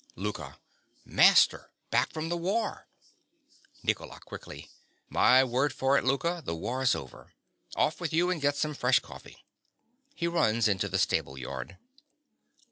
LOUKA. Master! back from the war! NICOLA. (quickly). My word for it, Louka, the war's over. Off with you and get some fresh coffee. (_He runs out into the stable yard.